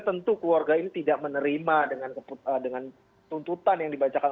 tentu keluarga ini tidak menerima dengan tuntutan yang dibacakan